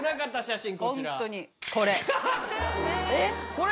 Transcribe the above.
これ！